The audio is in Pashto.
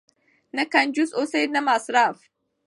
نه کنجوس اوسئ نه مسرف.